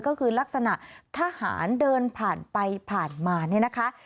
ก็คือลักษณะทหารเดินผ่านไปผ่านมาเนี่ยนะคะ